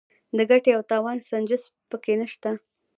د ګټې او تاوان سنجش پکې نشته.